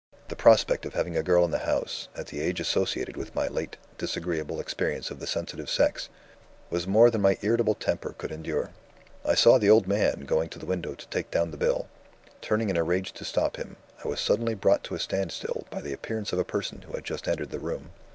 The prospect of having a girl in the house, at the age associated with my late disagreeable experience of the sensitive sex, was more than my irritable temper could endure. I saw the old man going to the window to take down the bill. Turning in a rage to stop him, I was suddenly brought to a standstill by the appearance of a person who had just entered the room.